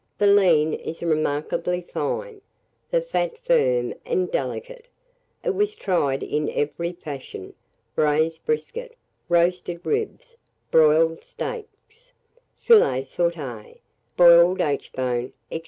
The lean is remarkably fine, the fat firm and delicate. It was tried in every fashion, braised brisket, roasted ribs, broiled steaks, filet sauté, boiled aitchbone, &c.